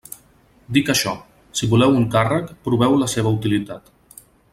Dic això: si voleu un càrrec, proveu la seua utilitat.